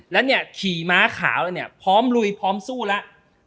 แล้วเนี่ยขี่ม้าขาวแล้วเนี่ยพร้อมลุยพร้อมสู้แล้ว